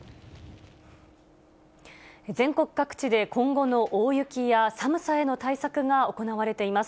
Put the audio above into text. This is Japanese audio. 全国各地で今後の大雪や寒さへの対策が行われています。